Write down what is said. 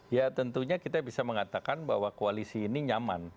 ya tentunya kita bisa mengatakan bahwa koalisi ini nyaman